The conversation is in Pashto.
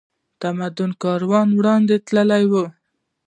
تمدن کاروان وړاندې تللی و